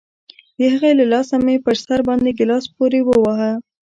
د هغې له لاسه مې په سر باندې گيلاس پورې وواهه.